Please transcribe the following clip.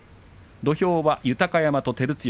土俵は豊山と照強。